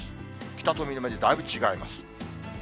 北と南でだいぶ違います。